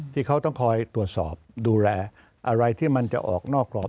ที่เขาต้องคอยตรวจสอบดูแลอะไรที่มันจะออกนอกกรอบ